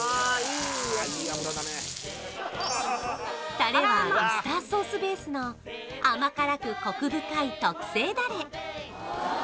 タレはウスターソースベースの甘辛くコク深い特製ダレ